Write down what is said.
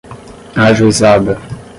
ajuizada